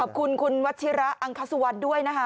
ขอบคุณคุณวัชิระอังคสุวรรณด้วยนะคะ